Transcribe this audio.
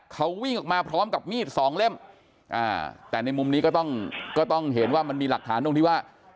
เขาวิ่งออกมาพร้อมกับมีดสองเล่มแต่ในมุมนี้ก็ต้องก็ต้องเห็นว่ามันมีหลักฐานตรงที่ว่า